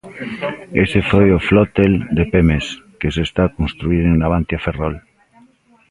Ese foi o flotel de Pemex que se está a construír en Navantia-Ferrol.